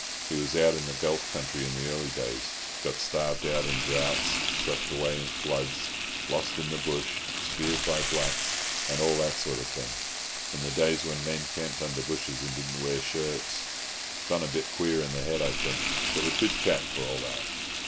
He was out in the Gulf country in the early days—got starved out in droughts, swept away in floods, lost in the bush, speared by blacks, and all that sort of thing, in the days when men camped under bushes and didn't wear shirts. Gone a bit queer in the head, I think, but a good chap for all that."